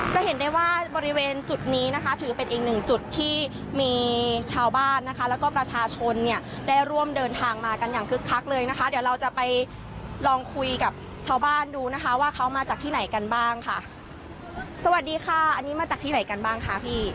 จะเห็นได้ว่าบริเวณจุดนี้นะคะถือเป็นอีกหนึ่งจุดที่มีชาวบ้านนะคะแล้วก็ประชาชนเนี่ยได้ร่วมเดินทางมากันอย่างคึกคักเลยนะคะเดี๋ยวเราจะไปลองคุยกับชาวบ้านดูนะคะว่าเขามาจากที่ไหนกันบ้างค่ะสวัสดีค่ะอันนี้มาจากที่ไหนกันบ้างคะพี่